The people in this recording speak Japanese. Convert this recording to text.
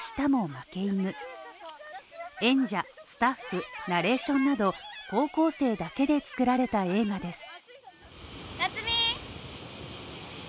演者、スタッフ、ナレーションなど、高校生だけで作られた映画です。